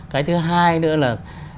cái thứ hai nữa là